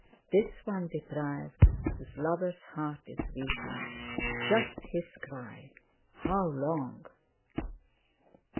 Tis one deprived, whose lover's heart is weeping, Just his cry: 'How long?'"